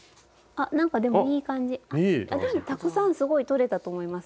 でもたくさんすごいとれたと思いますよ。